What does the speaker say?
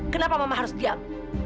kenapa mama harus diam